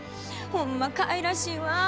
ホンマかいらしいわ。